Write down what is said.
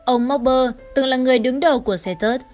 ông mokbar từng là người đứng đầu của ceterd